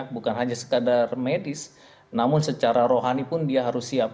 bukan hanya sekadar medis namun secara rohani pun dia harus siap